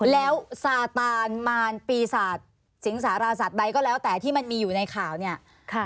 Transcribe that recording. แล้วซาตานมานปีสาทสิงห์สาธาราชาติใดก็แล้วแต่ที่มันมีอยู่ในข่าวเนี้ยค่ะ